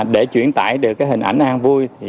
để truyền tải được hình ảnh an vui